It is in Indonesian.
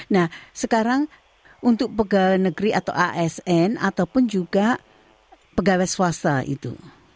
nah sekarang untuk pegawai negeri atau asn ataupun juga pegawai swasta itu